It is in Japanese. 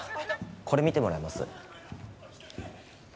これ見てもらえます？